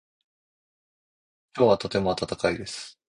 今日はとても暖かいです。